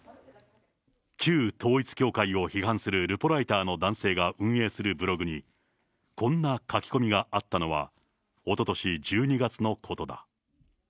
旧統一教会を批判するルポライターの男性が運営するブログに、こんな書き込みがあったのは、おととし１２月のことだ。